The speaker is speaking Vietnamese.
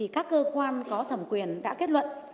các cơ quan có thẩm quyền đã kết luận